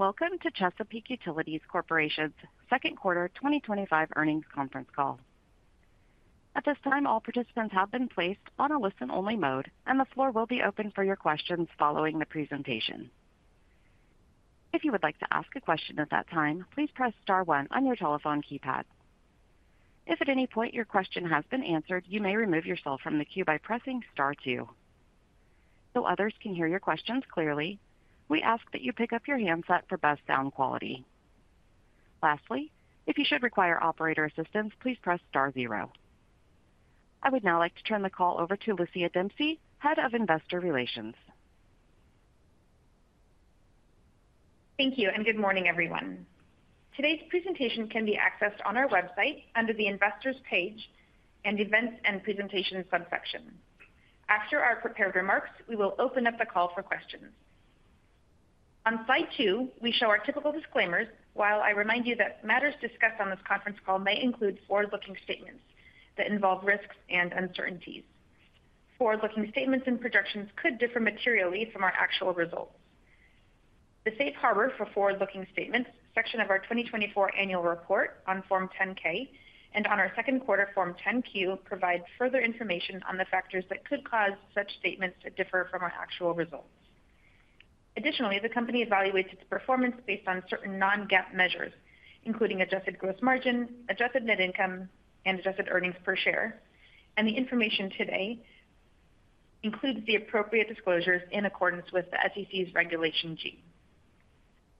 Welcome to Chesapeake Utilities Corporation's second quarter 2025 earnings conference call. At this time all participants have been placed on a listen-only mode, and the floor will be open for your questions following the presentation. If you would like to ask a question at that time, please press star one on your telephone keypad. If at any point your question has been answered, you may remove yourself from the queue by pressing star two. To ensure others can hear your questions clearly, we ask that you pick up your handset for best sound quality. Lastly, if you should require operator assistance, please press star zero. I would now like to turn the call over to Lucia Dempsey, Head of Investor Relations. Thank you, and good morning, everyone. Today's presentation can be accessed on our website under the Investors page and Events and Presentations subsection. After our prepared remarks, we will open up the call for questions. On slide two, we show our typical disclaimers while I remind you that matters discussed on this conference call may include forward-looking statements that involve risks and uncertainties. Forward-looking statements and projections could differ materially from our actual results. The safe harbor for forward-looking statements section of our 2024 Annual Report on Form 10-K and on our second quarter Form 10-Q provides further information on the factors that could cause such statements to differ from our actual results. Additionally, the company evaluates its performance based on certain non-GAAP measures, including adjusted gross margin, adjusted net income, and adjusted earnings per share, and the information today includes the appropriate disclosures in accordance with the SEC's Regulation G.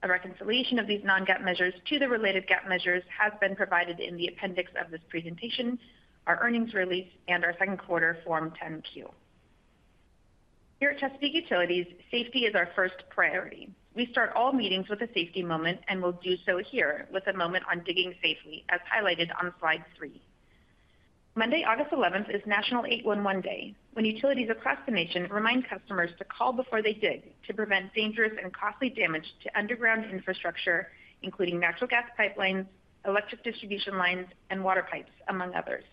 A reconciliation of these non-GAAP measures to the related GAAP measures has been provided in the appendix of this presentation, our earnings release, and our second quarter Form 10-Q. Here at Chesapeake Utilities, safety is our first priority. We start all meetings with a safety moment, and we'll do so here with a moment on digging safety as highlighted on slide three. Monday, August 11th, is National 811 Day, when utilities across the nation remind customers to call before they dig to prevent dangerous and costly damage to underground infrastructure, including natural gas pipelines, electric distribution lines, and water pipes, among others.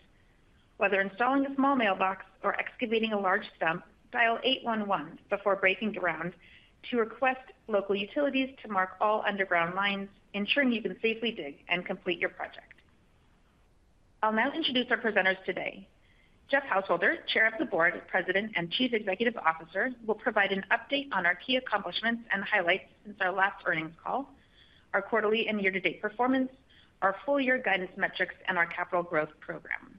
Whether installing a small mailbox or excavating a large stump, dial 811 before breaking ground to request local utilities to mark all underground lines, ensuring you can safely dig and complete your project. I'll now introduce our presenters today. Jeff Householder, Chair of the Board, President, and Chief Executive Officer, will provide an update on our key accomplishments and highlights since our last earnings call, our quarterly and year-to-date performance, our full-year guidance metrics, and our capital growth program.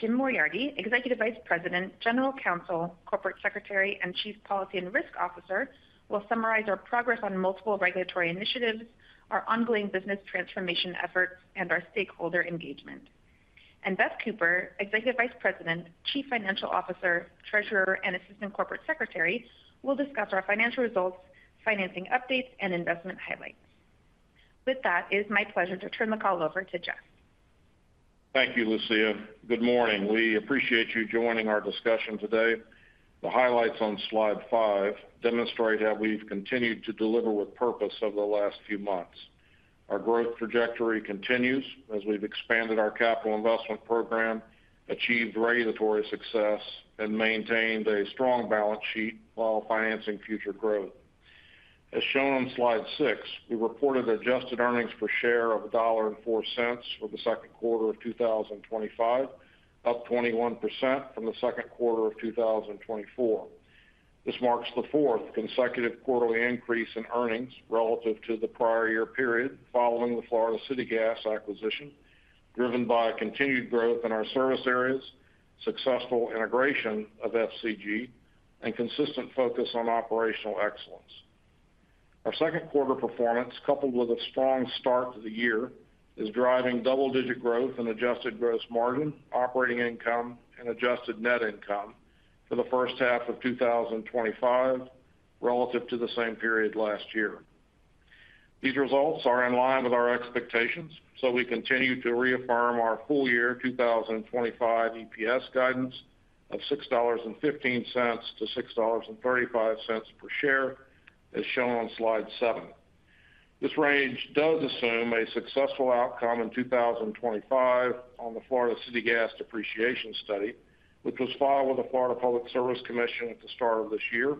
Jim Moriarty, Executive Vice President, General Counsel, Corporate Secretary, and Chief Policy and Risk Officer, will summarize our progress on multiple regulatory initiatives, our ongoing business transformation efforts, and our stakeholder engagement. Beth Cooper, Executive Vice President, Chief Financial Officer, Treasurer, and Assistant Corporate Secretary, will discuss our financial results, financing updates, and investment highlights. With that, it is my pleasure to turn the call over to Jeff. Thank you, Lucia. Good morning. We appreciate you joining our discussion today. The highlights on slide five demonstrate how we've continued to deliver with purpose over the last few months. Our growth trajectory continues as we've expanded our capital investment program, achieved regulatory success, and maintained a strong balance sheet while financing future growth. As shown on slide six, we reported adjusted earnings per share of $1.04 for the second quarter of 2025, up 21% from the second quarter of 2024. This marks the fourth consecutive quarterly increase in earnings relative to the prior year period following the Florida City Gas acquisition, driven by continued growth in our service areas, successful integration of FCG, and consistent focus on operational excellence. Our second quarter performance, coupled with a strong start to the year, is driving double-digit growth in adjusted gross margin, operating income, and adjusted net income for the first half of 2025 relative to the same period last year. These results are in line with our expectations, so we continue to reaffirm our full-year 2025 EPS guidance of $6.15 to $6.35 per share, as shown on slide seven. This range does assume a successful outcome in 2025 on the Florida City Gas depreciation study, which was filed with the Florida Public Service Commission at the start of this year,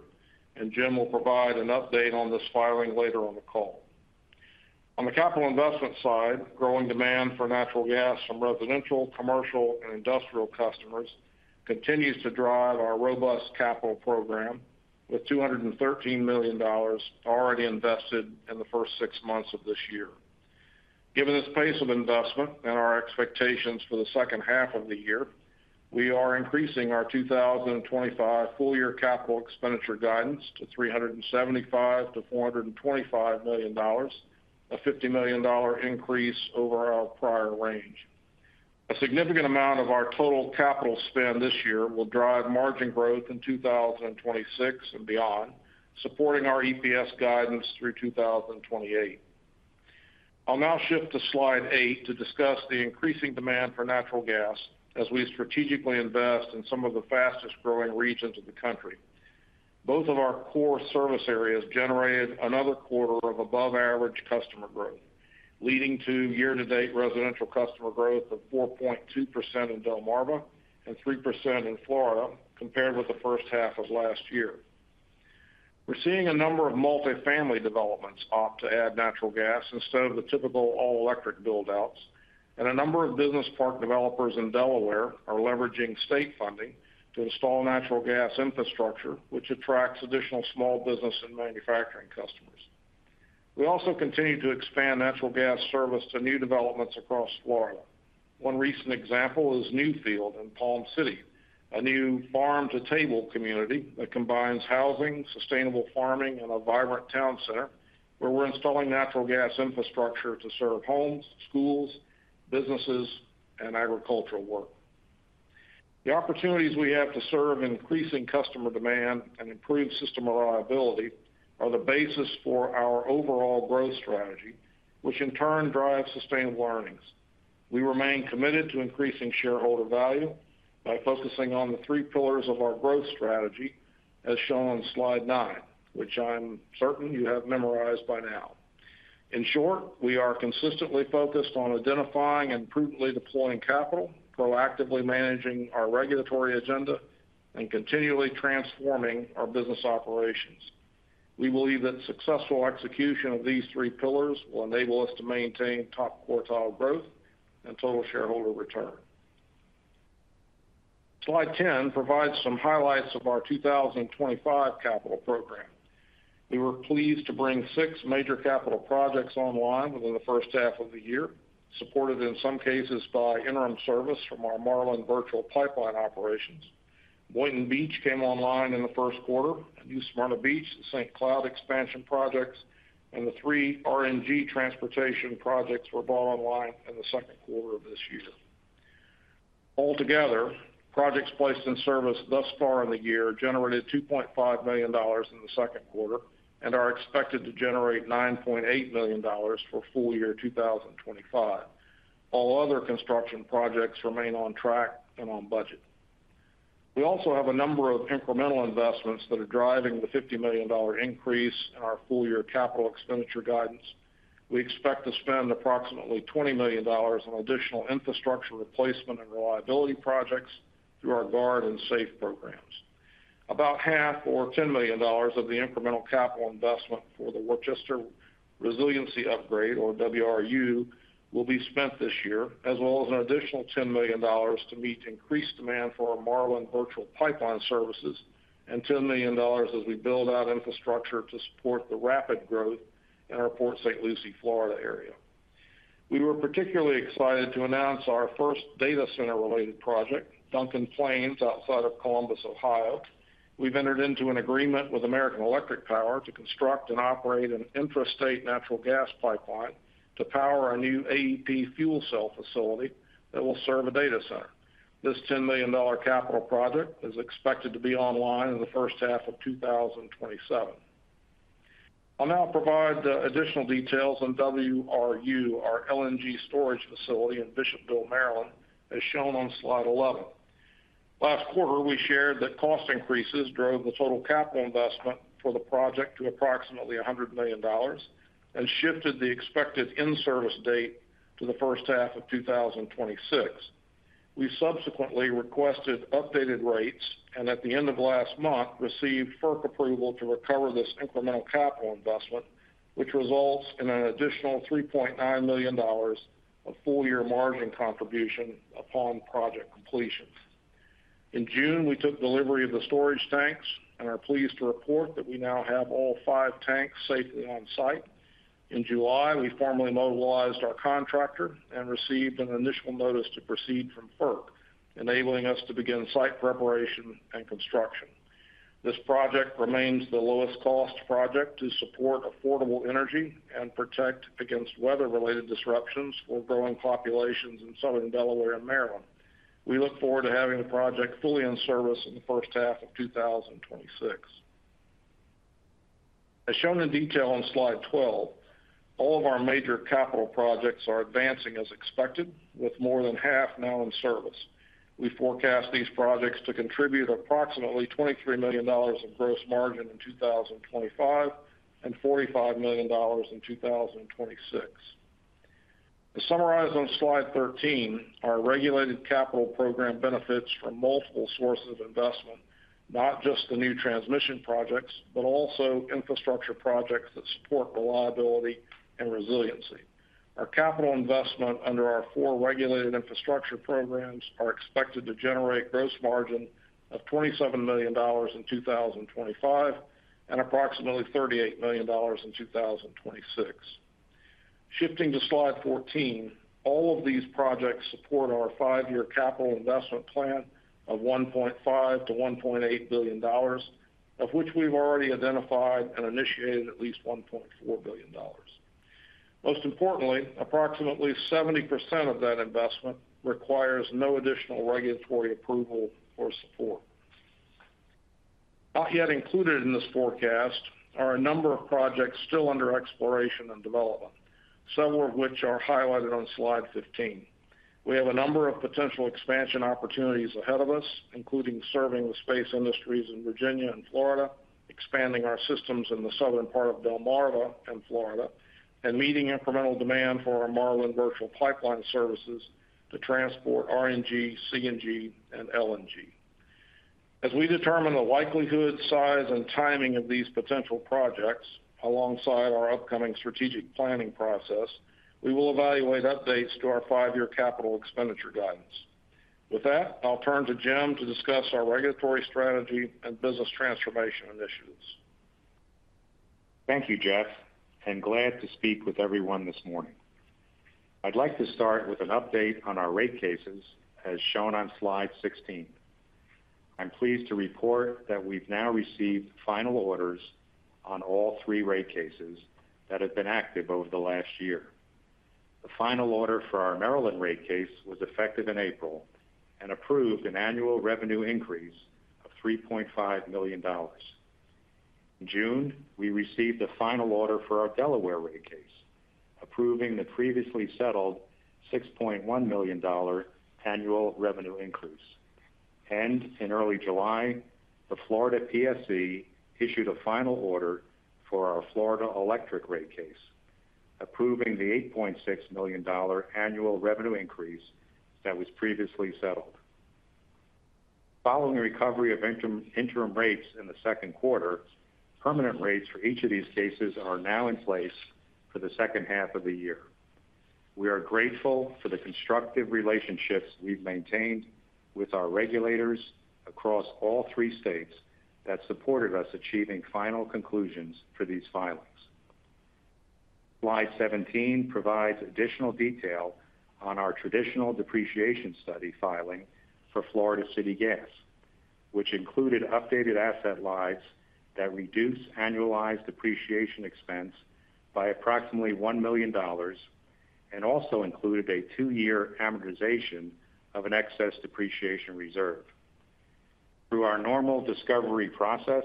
and Jim will provide an update on this filing later on the call. On the capital investment side, growing demand for natural gas from residential, commercial, and industrial customers continues to drive our robust capital program with $213 million already invested in the first six months of this year. Given the pace of investment and our expectations for the second half of the year, we are increasing our 2025 full-year capital expenditure guidance to $375 million to $425 million, a $50 million increase over our prior range. A significant amount of our total capital spend this year will drive margin growth in 2026 and beyond, supporting our EPS guidance through 2028. I'll now shift to slide eight to discuss the increasing demand for natural gas as we strategically invest in some of the fastest growing regions of the country. Both of our core service areas generated another quarter of above-average customer growth, leading to year-to-date residential customer growth of 4.2% in Delmarva and 3% in Florida, compared with the first half of last year. We're seeing a number of multifamily developments opt to add natural gas instead of the typical all-electric buildouts, and a number of business park developers in Delaware are leveraging state funding to install natural gas infrastructure, which attracts additional small business and manufacturing customers. We also continue to expand natural gas service to new developments across Florida. One recent example is Newfield in Palm City, a new farm-to-table community that combines housing, sustainable farming, and a vibrant town center, where we're installing natural gas infrastructure to serve homes, schools, businesses, and agricultural work. The opportunities we have to serve increasing customer demand and improved system reliability are the basis for our overall growth strategy, which in turn drives sustainable earnings. We remain committed to increasing shareholder value by focusing on the three pillars of our growth strategy, as shown on slide nine, which I'm certain you have memorized by now. In short, we are consistently focused on identifying and prudently deploying capital, proactively managing our regulatory agenda, and continually transforming our business operations. We believe that successful execution of these three pillars will enable us to maintain top quartile growth and total shareholder return. Slide 10 provides some highlights of our 2025 capital program. We were pleased to bring six major capital projects online within the first half of the year, supported in some cases by interim service from our Marlin Virtual Pipeline operations. Boynton Beach came online in the first quarter, New Smyrna Beach, the St. Cloud expansion projects, and the three RNG transportation projects were brought online in the second quarter of this year. Altogether, projects placed in service thus far in the year generated $2.5 million in the second quarter and are expected to generate $9.8 million for full-year 2025. All other construction projects remain on track and on budget. We also have a number of incremental investments that are driving the $50 million increase in our full-year capital expenditure guidance. We expect to spend approximately $20 million on additional infrastructure replacement and reliability projects through our Guard and Safe programs. About half, or $10 million, of the incremental capital investment for the Worcester Resiliency Upgrade or WRU, will be spent this year, as well as an additional $10 million to meet increased demand for our Marlin Virtual Pipeline services and $10 million as we build out infrastructure to support the rapid growth in our Port St. Lucie, Florida area. We were particularly excited to announce our first data center-related project, Duncan Flames outside of Columbus, Ohio. We've entered into an agreement with American Electric Power to construct and operate an intrastate natural gas pipeline to power our new AEP fuel cell facility that will serve a data center. This $10 million capital project is expected to be online in the first half of 2027. I'll now provide the additional details on WRU, our LNG storage facility in Bishopville, Maryland, as shown on slide 11. Last quarter, we shared that cost increases drove the total capital investment for the project to approximately $100 million and shifted the expected in-service date to the first half of 2026. We subsequently requested updated rates and at the end of last month, received FERC approval to recover this incremental capital investment which results in an additional $3.9 million of full-year margin contribution upon project completions. In June, we took delivery of the storage tanks and are pleased to report that we now have all five tanks safely on site. In July, we formally mobilized our contractor and received an initial notice to proceed from FERC, enabling us to begin site preparation and construction. This project remains the lowest cost project to support affordable energy and protect against weather-related disruptions for growing populations in Southern Delaware and Maryland. We look forward to having the project fully in service in the first half of 2026. As shown in detail on slide 12, all of our major capital projects are advancing as expected with more than half now in service. We forecast these projects to contribute approximately $23 million in gross margin in 2025 and $45 million in 2026. To summarize on slide 13, our regulated capital program benefits from multiple sources of investment, not just the new transmission projects, but also infrastructure projects that support reliability and resiliency. Our capital investment under our four regulated infrastructure programs is expected to generate gross margin of $27 million in 2025 and approximately $38 million in 2026. Shifting to slide 14, all of these projects support our five-year capital investment plan of $1.5 to $1.8 billion, of which we've already identified and initiated at least $1.4 billion. Most importantly, approximately 70% of that investment requires no additional regulatory approval or support. Not yet included in this forecast are a number of projects still under exploration and development, several of which are highlighted on slide 15. We have a number of potential expansion opportunities ahead of us, including serving the space industries in Virginia and Florida, expanding our systems in the southern part of Delmarva and Florida, and meeting incremental demand for our Marlin Virtual Pipeline services to transport renewable natural gas, compressed natural gas, and liquefied natural gas. As we determine the likelihood, size, and timing of these potential projects, alongside our upcoming strategic planning process, we will evaluate updates to our five-year capital expenditure guidance. With that, I'll turn to Jim to discuss our regulatory strategy and business transformation initiatives. Thank you, Jeff, and glad to speak with everyone this morning. I'd like to start with an update on our rate cases, as shown on slide 16. I'm pleased to report that we've now received final orders on all three rate cases that have been active over the last year. The final order for our Maryland rate case was effective in April and approved an annual revenue increase of $3.5 million. In June, we received a final order for our Delaware rate case, approving the previously settled $6.1 million annual revenue increase. In early July, the Florida Public Service Commission issued a final order for our Florida electric rate case, approving the $8.6 million annual revenue increase that was previously settled. Following recovery of interim rates in the second quarter, permanent rates for each of these cases are now in place for the second half of the year. We are grateful for the constructive relationships we've maintained with our regulators across all three states that supported us achieving final conclusions for these filings. Slide 17 provides additional detail on our traditional depreciation study filing for Florida City Gas, which included updated asset lines that reduce annualized depreciation expense by approximately $1 million and also included a two-year amortization of an excess depreciation reserve. Through our normal discovery process,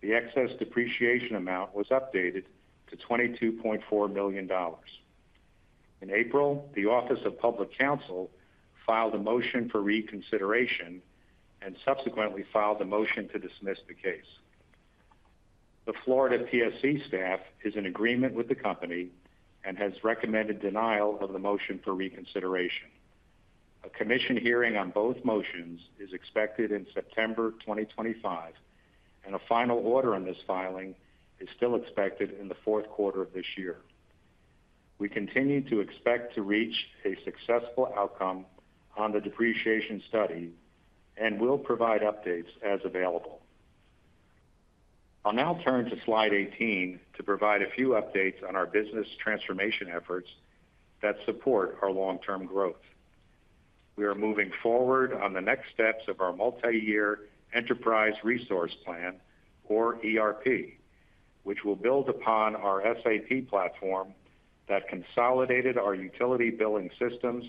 the excess depreciation amount was updated to $22.4 million. In April, the Office of Public Counsel filed a motion for reconsideration and subsequently filed a motion to dismiss the case. The Florida Public Service Commission staff is in agreement with the company and has recommended denial of the motion for reconsideration. A commission hearing on both motions is expected in September 2025, and a final order on this filing is still expected in the fourth quarter of this year. We continue to expect to reach a successful outcome on the depreciation study and will provide updates as available. I'll now turn to slide 18 to provide a few updates on our business transformation efforts that support our long-term growth. We are moving forward on the next steps of our multi-year enterprise resource plan, or ERP, which will build upon our SAP platform that consolidated our utility billing systems,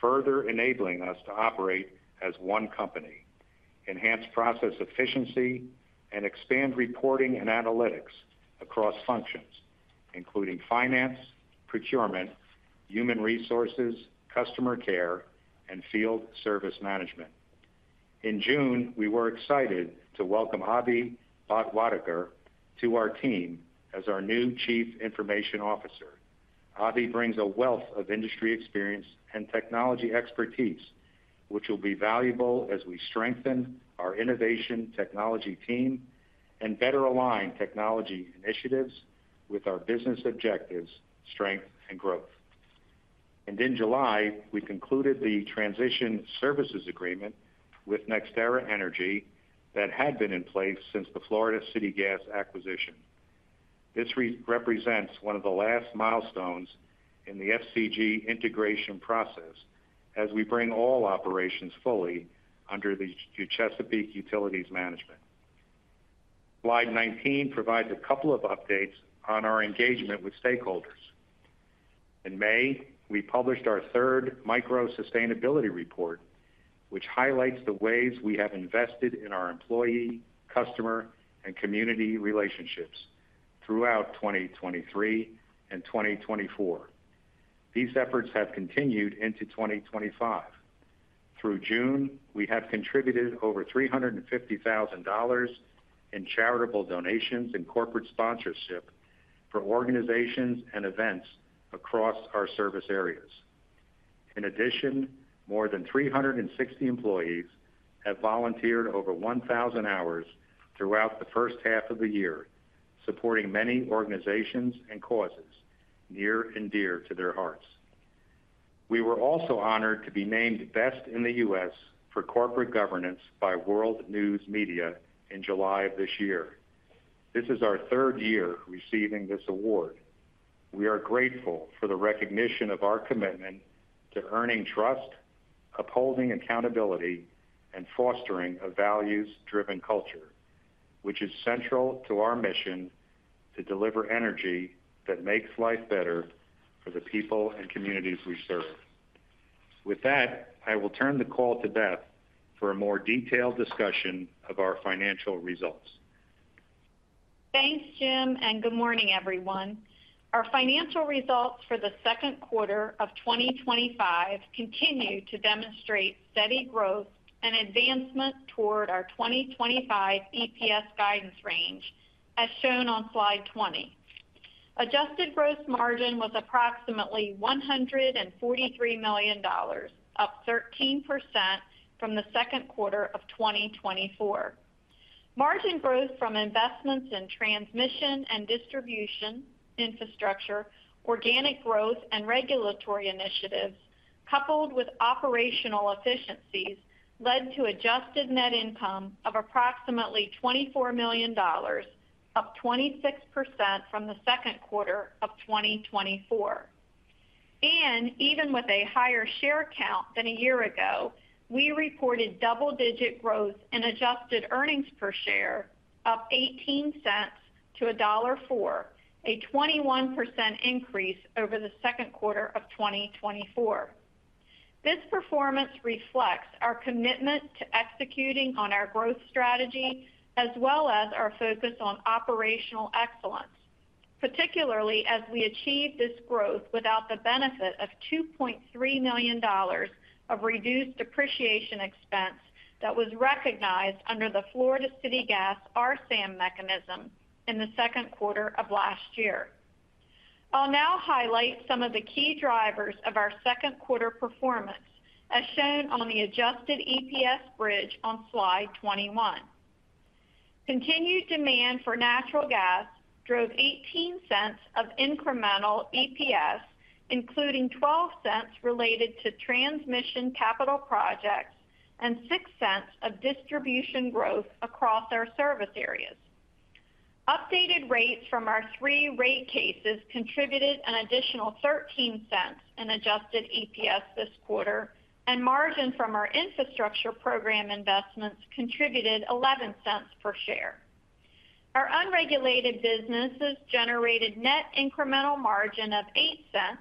further enabling us to operate as one company, enhance process efficiency, and expand reporting and analytics across functions, including finance, procurement, human resources, customer care, and field service management. In June, we were excited to welcome Avi Botwataker to our team as our new Chief Information Officer. Avi brings a wealth of industry experience and technology expertise, which will be valuable as we strengthen our innovation technology team and better align technology initiatives with our business objectives, strength, and growth. In July, we concluded the transition services agreement with NextEra Energy that had been in place since the Florida City Gas acquisition. This represents one of the last milestones in the FCG integration process as we bring all operations fully under the Chesapeake Utilities management. Slide 19 provides a couple of updates on our engagement with stakeholders. In May, we published our third micro-sustainability report which highlights the ways we have invested in our employee, customer, and community relationships throughout 2023 and 2024. These efforts have continued into 2025. Through June, we have contributed over $350,000 in charitable donations and corporate sponsorship for organizations and events across our service areas. In addition, more than 360 employees have volunteered over 1,000 hours throughout the first half of the year, supporting many organizations and causes near and dear to their hearts. We were also honored to be named Best in the U.S. for Corporate Governance by World News Media in July of this year. This is our third year receiving this award. We are grateful for the recognition of our commitment to earning trust, upholding accountability and fostering a values-driven culture, which is central to our mission to deliver energy that makes life better for the people and communities we serve. With that, I will turn the call to Beth for a more detailed discussion of our financial results. Thanks, Jim, and good morning, everyone. Our financial results for the second quarter of 2025 continue to demonstrate steady growth and advancement toward our 2025 EPS guidance range as shown on slide 20. Adjusted gross margin was approximately $143 million, up 13% from the second quarter of 2024. Margin growth from investments in transmission and distribution infrastructure, organic growth, and regulatory initiatives, coupled with operational efficiencies, led to adjusted net income of approximately $24 million, up 26% from the second quarter of 2024. Even with a higher share count than a year ago, we reported double-digit growth in adjusted earnings per share, up $0.18 to $1.04, a 21% increase over the second quarter of 2024. This performance reflects our commitment to executing on our growth strategy, as well as our focus on operational excellence, particularly as we achieved this growth without the benefit of $2.3 million of reduced depreciation expense that was recognized under the Florida City Gas RSAM mechanism in the second quarter of last year. I'll now highlight some of the key drivers of our second quarter performance, as shown on the adjusted EPS bridge on slide 21. Continued demand for natural gas drove $0.18 of incremental EPS, including $0.12 related to transmission capital projects and $0.06 of distribution growth across our service areas. Updated rates from our three rate cases contributed an additional $0.13 in adjusted EPS this quarter, and margin from our infrastructure program investments contributed $0.11 per share. Our unregulated businesses generated net incremental margin of $0.08,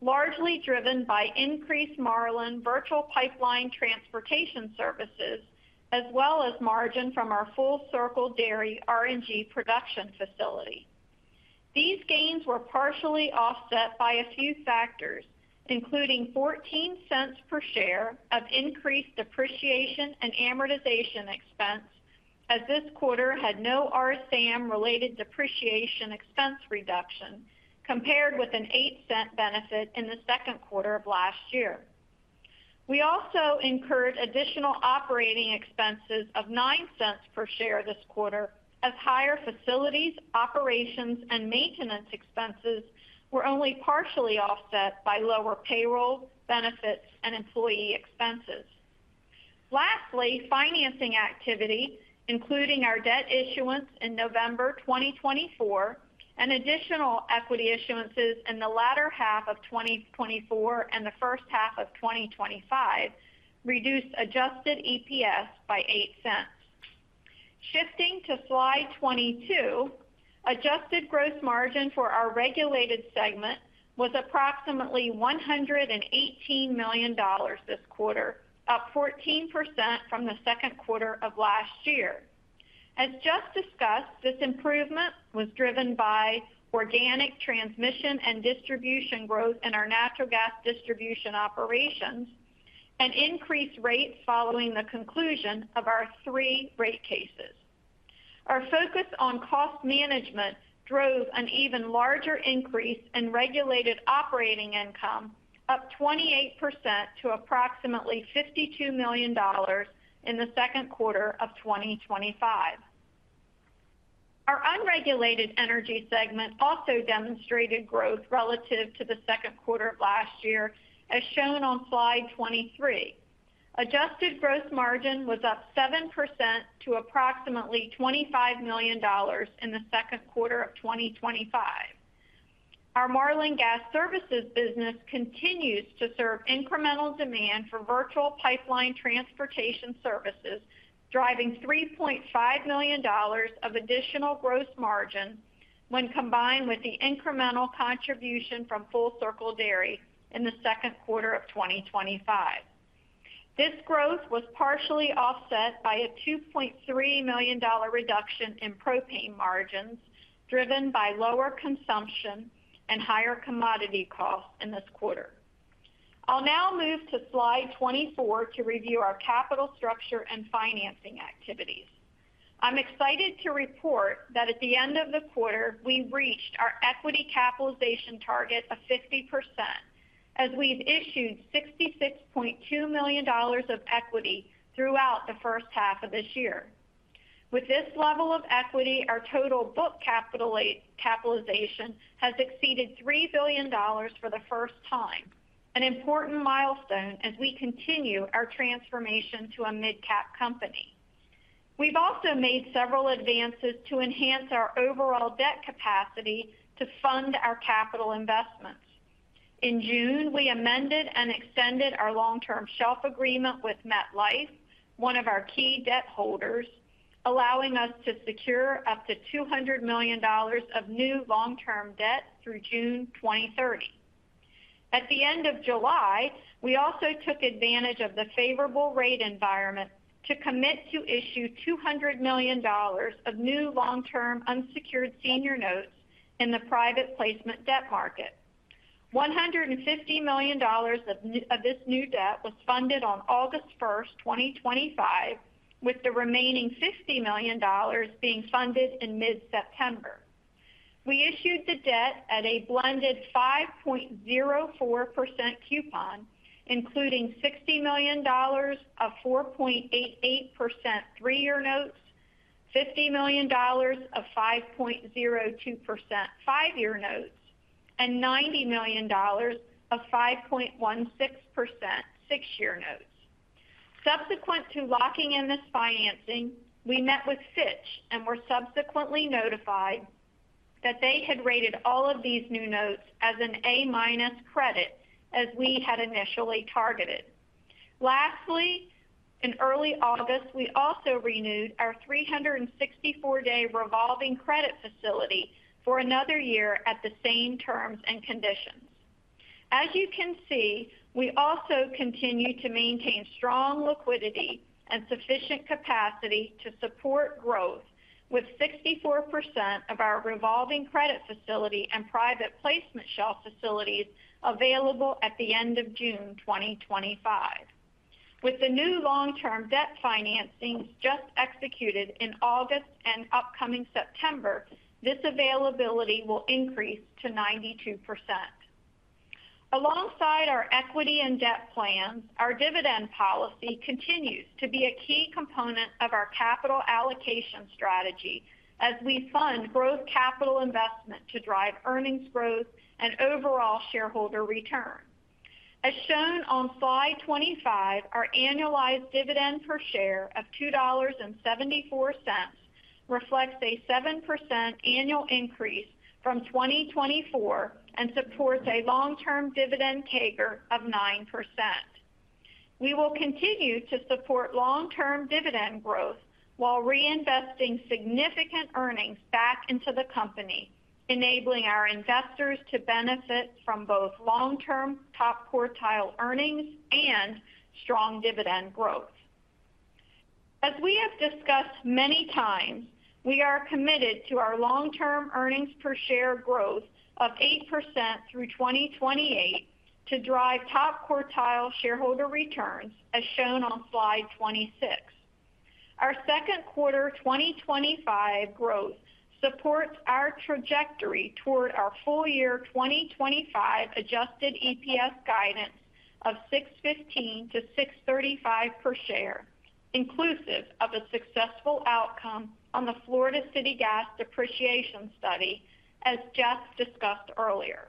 largely driven by increased Marlin Virtual Pipeline transportation services, as well as margin from our Full Circle Dairy RNG production facility. These gains were partially offset by a few factors, including $0.14 per share of increased depreciation and amortization expense, as this quarter had no RSAM-related depreciation expense reduction compared with a $0.08 benefit in the second quarter of last year. We also incurred additional operating expenses of $0.09 per share this quarter, as higher facilities, operations, and maintenance expenses were only partially offset by lower payroll, benefits, and employee expenses. Lastly, financing activity, including our debt issuance in November 2024 and additional equity issuances in the latter half of 2024 and the first half of 2025, reduced adjusted EPS by $0.08. Shifting to slide 22, adjusted gross margin for our regulated segment was approximately $118 million this quarter, up 14% from the second quarter of last year. As just discussed, this improvement was driven by organic transmission and distribution growth in our natural gas distribution operations and increased rates following the conclusion of our three rate cases. Our focus on cost management drove an even larger increase in regulated operating income, up 28% to approximately $52 million in the second quarter of 2025. Our unregulated energy segment also demonstrated growth relative to the second quarter of last year, as shown on slide 23. Adjusted gross margin was up 7% to approximately $25 million in the second quarter of 2025. Our Marlin Gas Services business continues to serve incremental demand for virtual pipeline transportation services, driving $3.5 million of additional gross margin when combined with the incremental contribution from Full Circle Dairy in the second quarter of 2025. This growth was partially offset by a $2.3 million reduction in propane margins, driven by lower consumption and higher commodity costs in this quarter. I'll now move to slide 24 to review our capital structure and financing activities. I'm excited to report that at the end of the quarter, we reached our equity capitalization target of 50%, as we've issued $66.2 million of equity throughout the first half of this year. With this level of equity, our total book capitalization has exceeded $3 billion for the first time, an important milestone as we continue our transformation to a mid-cap company. We've also made several advances to enhance our overall debt capacity to fund our capital investments. In June, we amended and extended our long-term shelf agreement with MetLife, one of our key debt holders, allowing us to secure up to $200 million of new long-term debt through June 2030. At the end of July, we also took advantage of the favorable rate environment to commit to issue $200 million of new long-term unsecured senior notes in the private placement debt market. $150 million of this new debt was funded on August 1, 2025, with the remaining $50 million being funded in mid-September. We issued the debt at a blended 5.04% coupon, including $60 million of 4.88% three-year notes, $50 million of 5.02% five-year notes, and $90 million of 5.16% six-year notes. Subsequent to locking in this financing, we met with Fitch and were subsequently notified that they had rated all of these new notes as an A-minus credit, as we had initially targeted. Lastly, in early August, we also renewed our 364-day revolving credit facility for another year at the same terms and conditions. As you can see, we also continue to maintain strong liquidity and sufficient capacity to support growth, with 64% of our revolving credit facility and private placement shelf facilities available at the end of June 2025. With the new long-term debt financing just executed in August and upcoming September, this availability will increase to 92%. Alongside our equity and debt plans, our dividend policy continues to be a key component of our capital allocation strategy, as we fund growth capital investment to drive earnings growth and overall shareholder return. As shown on slide 25, our annualized dividend per share of $2.74 reflects a 7% annual increase from 2024 and supports a long-term dividend CAGR of 9%. We will continue to support long-term dividend growth while reinvesting significant earnings back into the company, enabling our investors to benefit from both long-term top quartile earnings and strong dividend growth. As we have discussed many times, we are committed to our long-term earnings per share growth of 8% through 2028 to drive top quartile shareholder returns, as shown on slide 26. Our second quarter 2025 growth supports our trajectory toward our full-year 2025 adjusted EPS guidance of $6.15 to $6.35 per share, inclusive of a successful outcome on the Florida City Gas depreciation study, as Jeff discussed earlier.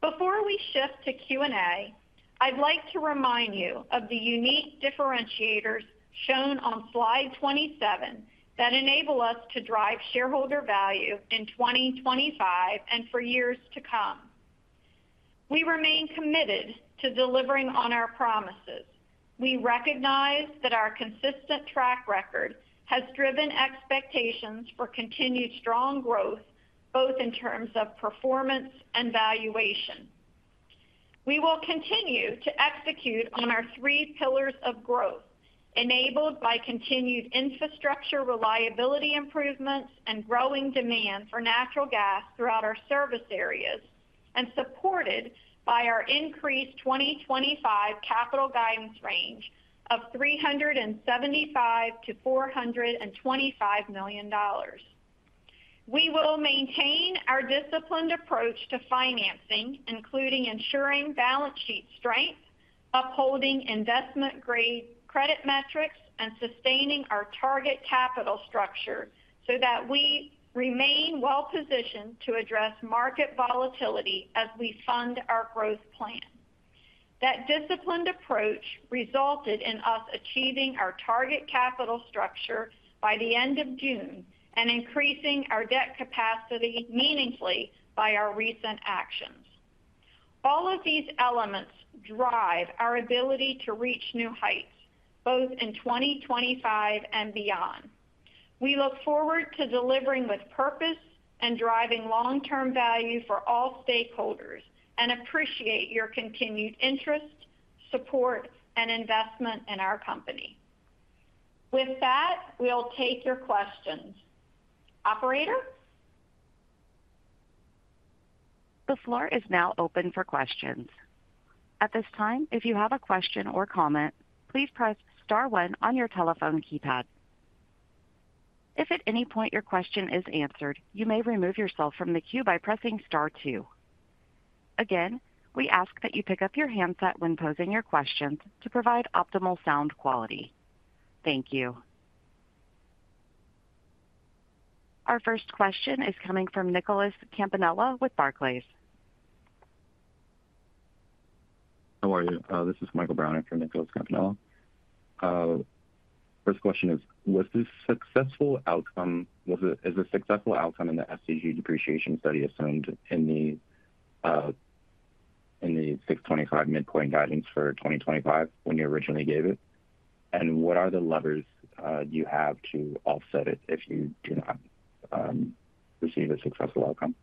Before we shift to Q&A, I'd like to remind you of the unique differentiators shown on slide 27 that enable us to drive shareholder value in 2025 and for years to come. We remain committed to delivering on our promises. We recognize that our consistent track record has driven expectations for continued strong growth, both in terms of performance and valuation. We will continue to execute on our three pillars of growth, enabled by continued infrastructure reliability improvements and growing demand for natural gas throughout our service areas, and supported by our increased 2025 capital guidance range of $375 to $425 million. We will maintain our disciplined approach to financing, including ensuring balance sheet strength, upholding investment-grade credit metrics, and sustaining our target capital structure so that we remain well-positioned to address market volatility as we fund our growth plan. That disciplined approach resulted in us achieving our target capital structure by the end of June and increasing our debt capacity meaningfully by our recent actions. All of these elements drive our ability to reach new heights, both in 2025 and beyond. We look forward to delivering with purpose and driving long-term value for all stakeholders and appreciate your continued interest, support, and investment in our company. With that, we'll take your questions. Operator? The floor is now open for questions. At this time, if you have a question or comment, please press star one on your telephone keypad. If at any point your question is answered, you may remove yourself from the queue by pressing star two. Again, we ask that you pick up your handset when posing your questions to provide optimal sound quality. Thank you. Our first question is coming from Nicholas Campanella with Barclays. How are you? This is Michael Brown after Nicholas Campanella. First question is, was this successful outcome? Was it a successful outcome in the FCG depreciation study assigned in the $625 million midpoint guidance for 2025 when you originally gave it? What are the levers you have to offset it if you do not receive a successful outcome?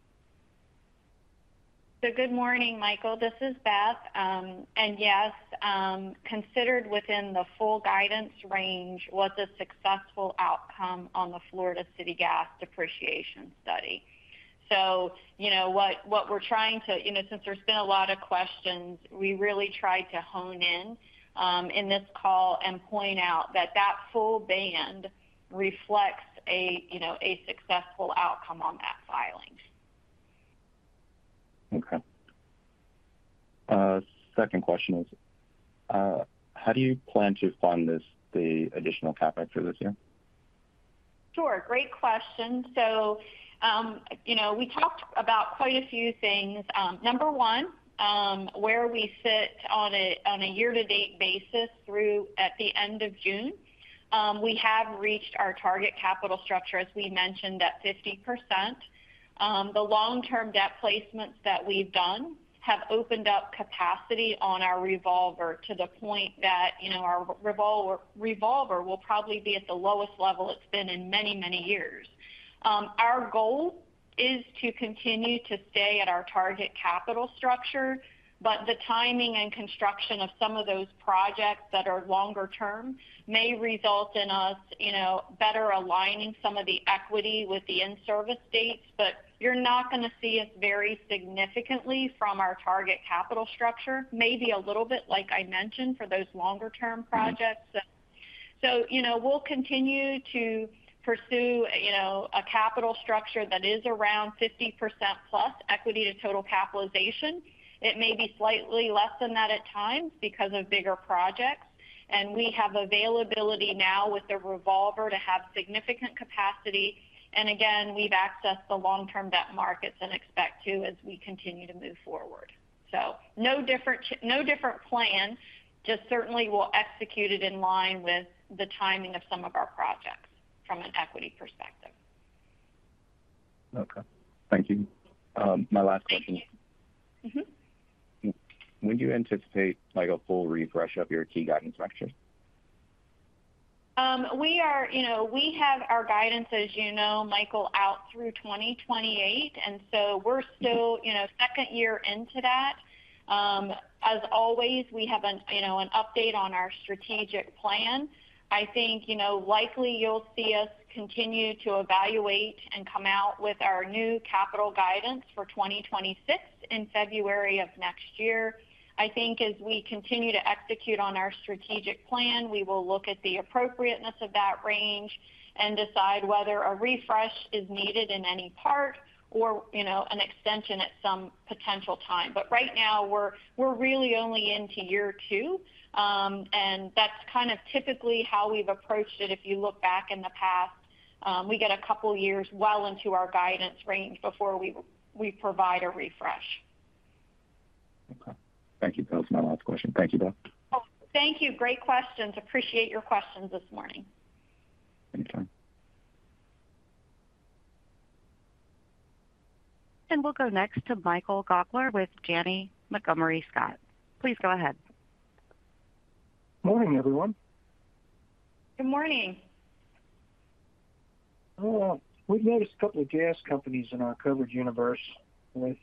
Good morning, Michael. This is Beth. Yes, considered within the full guidance range was a successful outcome on the Florida City Gas depreciation study. What we're trying to, since there's been a lot of questions, we really tried to hone in on this call and point out that the full band reflects a successful outcome on that filing. Okay. Second question is, how do you plan to fund this, the additional CapEx this year? Sure. Great question. We talked about quite a few things. Number one, where we sit on a year-to-date basis through at the end of June, we have reached our target capital structure, as we mentioned, at 50%. The long-term debt placements that we've done have opened up capacity on our revolver to the point that our revolver will probably be at the lowest level it's been in many, many years. Our goal is to continue to stay at our target capital structure, but the timing and construction of some of those projects that are longer-term may result in us better aligning some of the equity with the in-service dates. You're not going to see us vary significantly from our target capital structure, maybe a little bit like I mentioned for those longer-term projects. We'll continue to pursue, you know, a capital structure that is around 50% plus equity to total capitalization. It may be slightly less than that at times because of bigger projects. We have availability now with the revolver to have significant capacity. We've accessed the long-term debt markets and expect to as we continue to move forward. No different plan, just certainly we'll execute it in line with the timing of some of our projects from an equity perspective. Okay. Thank you. Thankyou. My last question is, when do you anticipate, like, a full refresh of your key guidance structure? We have our guidance, as you know, Michael, out through 2028, and so we are still in the second year into that. As always, we have an update on our strategic plan. I think likely you'll see us continue to evaluate and come out with our new capital guidance for 2026 in February of next year. I think as we continue to execute on our strategic plan, we will look at the appropriateness of that range and decide whether a refresh is needed in any part or an extension at some potential time. Right now, we're really only into year two, and that's kind of typically how we've approached it if you look back in the past. We get a couple of years well into our guidance range before we provide a refresh. Okay. Thank you. That was my last question. Thank you, Beth. Thank you. Great questions. Appreciate your questions this morning. Anytime. We'll go next to Michael Gaugler with Janney Montgomery Scott. Please go ahead. Morning, everyone. Good morning. Oh, we've noticed a couple of gas companies in our coverage universe with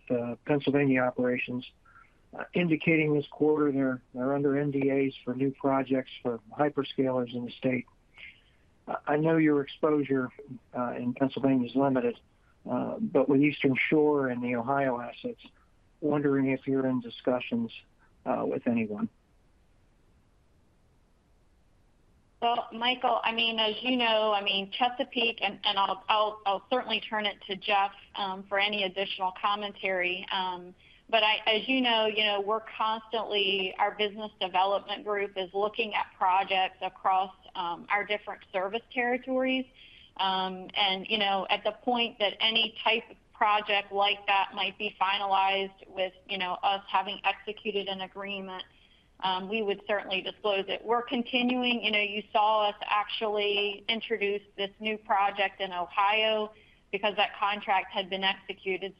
Pennsylvania operations indicating this quarter they're under NDAs for new projects for hyperscalers in the state. I know your exposure in Pennsylvania is limited, but with Eastern Shore and the Ohio assets, wondering if you're in discussions with anyone. Michael, I mean, as you know, I mean, Chesapeake, and I'll certainly turn it to Jeff for any additional commentary. As you know, we're constantly, our business development group is looking at projects across our different service territories. At the point that any type of project like that might be finalized with us having executed an agreement, we would certainly disclose it. We're continuing, you saw us actually introduce this new project in Ohio because that contract had been executed.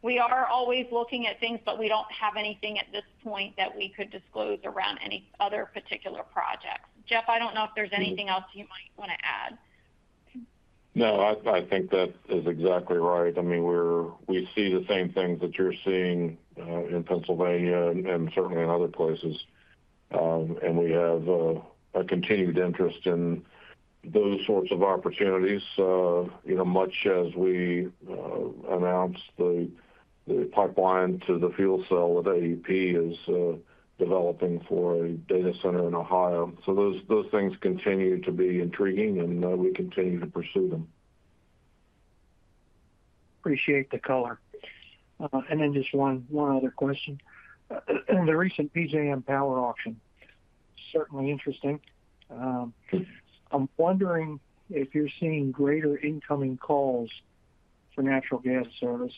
We're always looking at things, but we don't have anything at this point that we could disclose around any other particular projects. Jeff, I don't know if there's anything else you might want to add. No, I think that is exactly right. I mean, we see the same things that you're seeing in Pennsylvania and certainly in other places. We have a continued interest in those sorts of opportunities. Much as we announced the pipeline to the fuel cell that American Electric Power is developing for a data center in Ohio, those things continue to be intriguing, and we continue to pursue them. Appreciate the color. Just one other question. In the recent BJM Power auction, certainly interesting. I'm wondering if you're seeing greater incoming calls for natural gas service,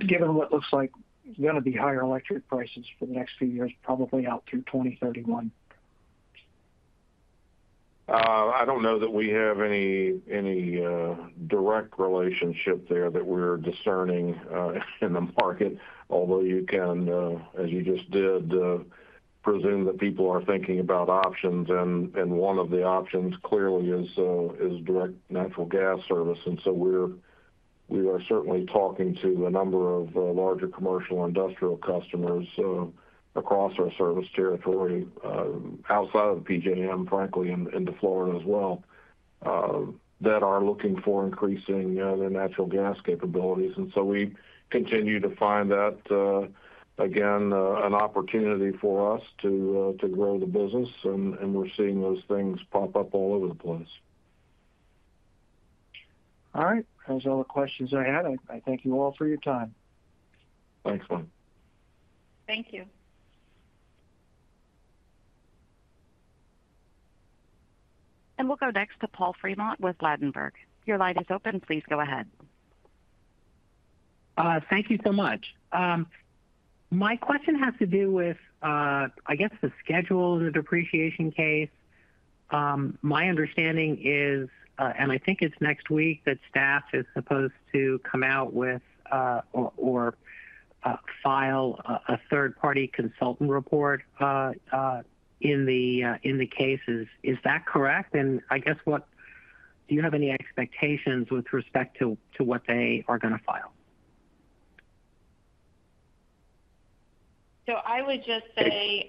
given what looks like going to be higher electric prices for the next few years, probably out through 2031. I don't know that we have any direct relationship there that we're discerning in the market, although you can, as you just did, presume that people are thinking about options. One of the options clearly is direct natural gas service. We are certainly talking to a number of larger commercial industrial customers across our service territory, outside of the PJM, frankly, into Florida as well, that are looking for increasing their natural gas capabilities. We continue to find that, again, an opportunity for us to grow the business. We're seeing those things pop up all over the place. All right. That's all the questions I had. I thank you all for your time. Thanks, Mike. Thank you. We'll go next to Paul Fremont with Ladenburg. Your line is open. Please go ahead. Thank you so much. My question has to do with, I guess, the scheduled depreciation case. My understanding is, and I think it's next week, that staff is supposed to come out with or file a third-party consultant report in the cases. Is that correct? What do you have any expectations with respect to what they are going to file? I would just say,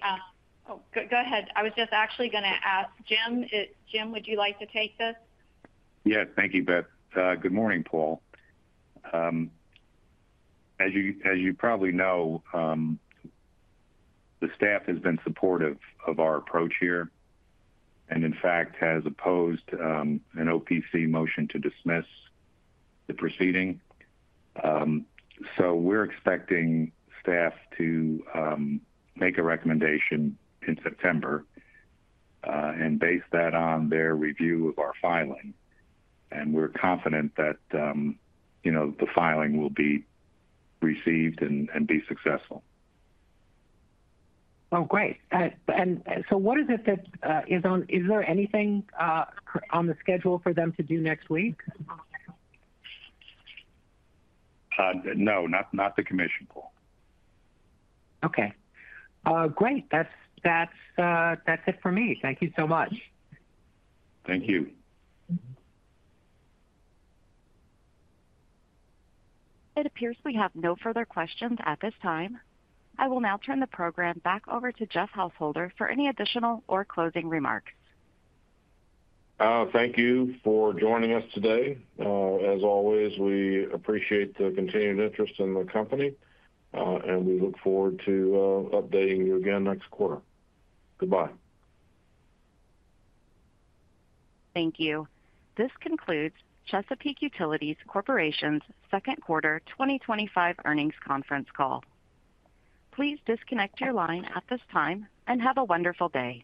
go ahead. I was actually going to ask Jim, Jim, would you like to take this? Yes. Thank you, Beth. Good morning, Paul. As you probably know, the staff has been supportive of our approach here and, in fact, has opposed an OPC motion to dismiss the proceeding. We're expecting staff to make a recommendation in September and base that on their review of our filing. We're confident that the filing will be received and be successful. Great. Is there anything on the schedule for them to do next week? No, not the commission, Paul. Okay. Great. That's it for me. Thank you so much. Thank you. It appears we have no further questions at this time. I will now turn the program back over to Jeff Householder for any additional or closing remarks. Thank you for joining us today. As always, we appreciate the continued interest in the company, and we look forward to updating you again next quarter. Goodbye. Thank you. This concludes Chesapeake Utilities Corporation's second quarter 2025 earnings conference call. Please disconnect your line at this time and have a wonderful day.